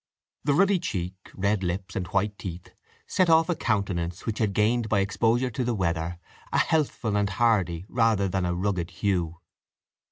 The ruddy cheek, red lips, and white teeth set off a countenance which had gained by exposure to the weather a healthful and hardy rather than a rugged hue.